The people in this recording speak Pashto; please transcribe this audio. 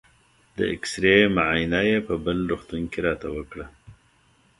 د اېکسرې معاینه یې په بل روغتون کې راته وکړه.